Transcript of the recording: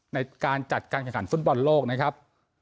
ในการจัดการแข่งขันฟุตบอลโลกนะครับ